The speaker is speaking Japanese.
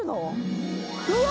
うわ！